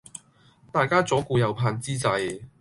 大家左顧右盼之際